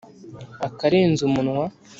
akarenze umunwa